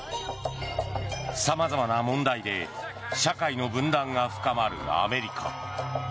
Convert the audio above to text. さまざまな問題で社会の分断が深まるアメリカ。